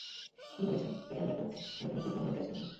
তিনি বলে যান, “যেখানে ইয়াকুব আছে, সেখানে ইবরাহইমের প্রয়ােজন নেই”।